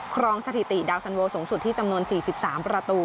ครองสถิติดาวสันโวสูงสุดที่จำนวน๔๓ประตู